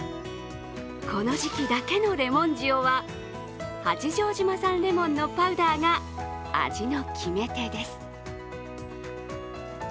この時期だけのれもん塩は、八丈島産レモンのパウダーが味の決め手です。